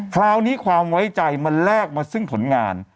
คราวนี้ความไว้ใจมันแลกมาซึ่งผลงาน